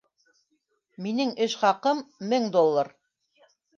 Минең эш хаҡым - мең доллар.